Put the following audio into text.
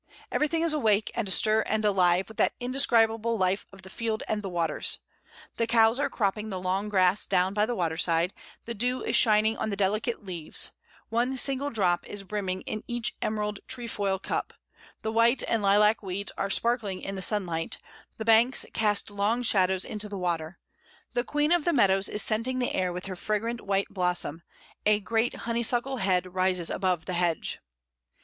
Everything is awake and astir and alive with that indescribable life of the field and the waters: the cows are cropping the long grass down by the water side; the dew is shin ing on the delicate leaves, one single drop is brim ming in each emerald trefoil cup, the white and lilac weeds are sparkling in the sunlight; the banks ca§t long shadows into the water; the queen of the meadows is scenting the air with her fragrant white blossom, a great honeysuckle head rises above the hedge.